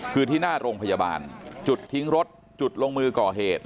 คือที่หน้าโรงพยาบาลจุดทิ้งรถจุดลงมือก่อเหตุ